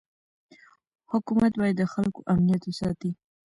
حکومت باید د خلکو امنیت وساتي.